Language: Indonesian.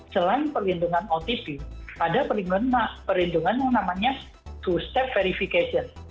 selain perlindungan otp ada perlindungan yang namanya two step verification